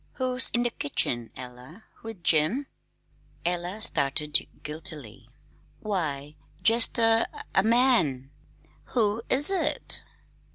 "Who's in the kitchen, Ella, with Jim?" Ella started guiltily. "Why, jest a a man." "Who is it?"